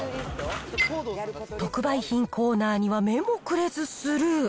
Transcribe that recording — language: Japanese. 特売品コーナーには目もくれずスルー。